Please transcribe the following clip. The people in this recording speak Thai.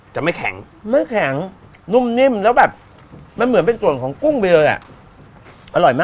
จะไม่แข็งไม่แข็งนุ่มนิ่มแล้วแบบมันเหมือนเป็นส่วนของกุ้งไปเลยอ่ะอร่อยมาก